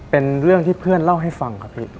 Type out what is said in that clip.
เป็นเรื่องที่เพื่อนเล่าให้ฟังครับพี่